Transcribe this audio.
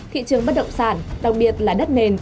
thị trường bất động sản đặc biệt là đất nền